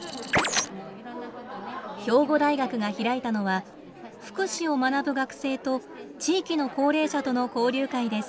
兵庫大学が開いたのは福祉を学ぶ学生と地域の高齢者との交流会です。